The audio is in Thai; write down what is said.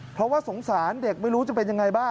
เพราะว่าสงสารแต่เด็กไม่รู้จะเป็นอย่างไร